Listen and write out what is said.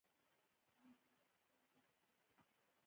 سټېفنس له دې امله ډېر مشهور شوی و.